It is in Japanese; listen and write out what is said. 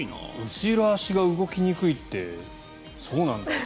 後ろ足が動きにくいってそうなんだ。